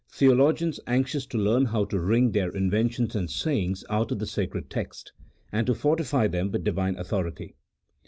theologians anxious to learn how to wrin^ their in ventions and savings out of the sacred text, and to fortify them with Divine authority.